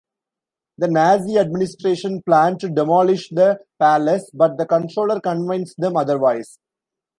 The Nazi administration planned to demolish the palace, but the controller convinced them otherwise.